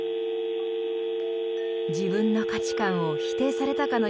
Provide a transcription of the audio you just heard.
自分の価値観を否定されたかのような衝撃を受け